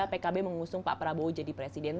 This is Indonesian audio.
pkb mengusung pak prabowo jadi presiden